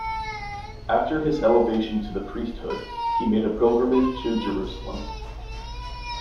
After his elevation to the priesthood, he made a pilgrimage to Jerusalem.